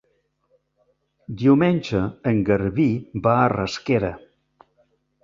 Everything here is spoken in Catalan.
Diumenge en Garbí va a Rasquera.